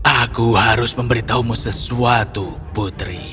aku harus memberitahumu sesuatu putri